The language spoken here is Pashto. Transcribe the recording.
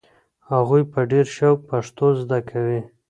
هغوی په ډېر شوق پښتو زده کوي.